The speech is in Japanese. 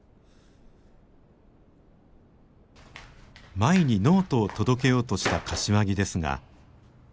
舞にノートを届けようとした柏木ですが。